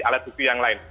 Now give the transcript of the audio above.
alat bukti yang lain